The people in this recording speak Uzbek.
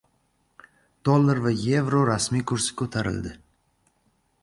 Dollar va yevro rasmiy kursi ko‘tarildi